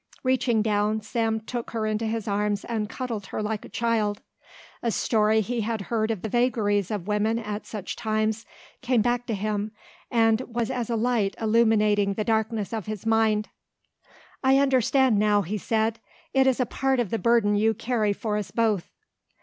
Reaching down, Sam took her into his arms and cuddled her like a child. A story he had heard of the vagaries of women at such times came back to him and was as a light illuminating the darkness of his mind. "I understand now," he said. "It is a part of the burden you carry for us both."